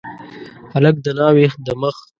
هلک د ناوي د مخ